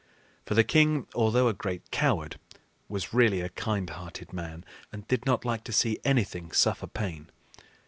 For the king, although a great coward, was really a kind hearted man and did not like to see anything suffer pain.